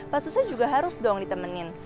pas susah juga harus doang ditemenin